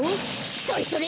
それそれ！